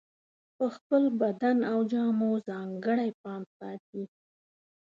په خپل بدن او جامو ځانګړی پام ساتي.